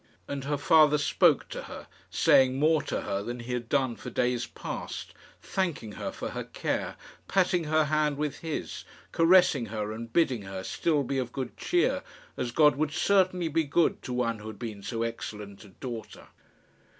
And her father spoke to her, saying more to her than he had done for days past, thanking her for her care, patting her hand with his, caressing her, and bidding her still be of good cheer, as God would certainly be good to one who had been so excellent a daughter.